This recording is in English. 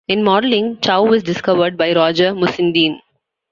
In modeling, Chow was discovered by Roger Museenden.